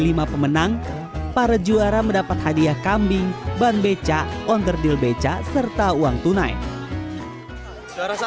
lima pemenang para juara mendapat hadiah kambing ban beca onder deal beca serta uang tunai suara saya